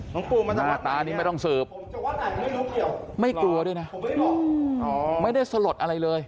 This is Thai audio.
หน้าตานี้ไม่ต้องสืบไม่กลัวด้วยนะไม่ได้สลดอะไรเลย